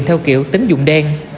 theo kiểu tính dụng đen